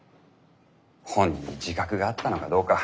本人に自覚があったのかどうか。